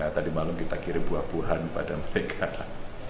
tadi malam kita kirim buah buahan pada mereka